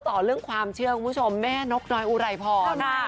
ต่อเรื่องความเชื่อของคุณผู้ชมแม่นกน้อยอู๋ไหล่พอนะ